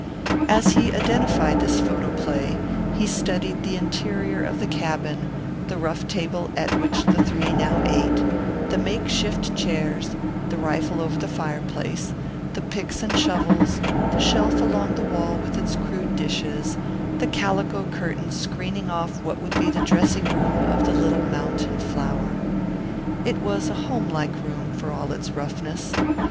As he identified this photo play he studied the interior of the cabin, the rough table at which the three now ate, the makeshift chairs, the rifle over the fireplace, the picks and shovels, the shelf along the wall with its crude dishes, the calico curtain screening off what would be the dressing room of the little mountain flower. It was a home like room, for all its roughness.